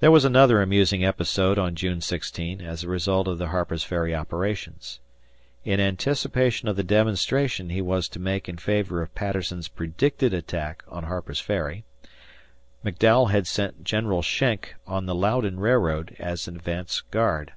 There was another amusing episode on June 16 as a result of the Harper's Ferry operations. In anticipation of the demonstration he was to make in favor of Patterson's predicted attack on Harper's Ferry, McDowell had sent General Schenck on the Loudoun railroad as an advance guard.